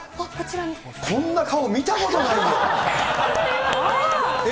こんな顔見たことないよ。